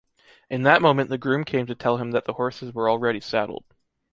In that moment the groom came to tell him that the horses were already saddled.